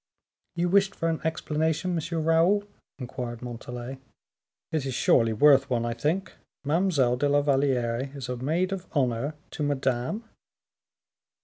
"You wished for an explanation, M. Raoul?" inquired Montalais. "It is surely worth one, I think; Mademoiselle de la Valliere is a maid of honor to Madame!"